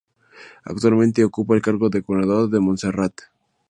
Actualmente ocupa el cargo de Gobernador de Montserrat.